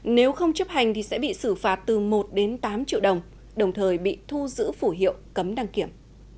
nếu không chấp hành thì sẽ bị xử phạt từ một đến tám triệu đồng đồng thời bị thu giữ phủ hiệu cấm đăng kiểm